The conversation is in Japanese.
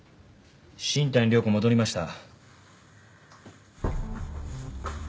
新谷涼子戻りました。